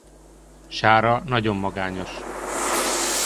Sára nagyon magányos.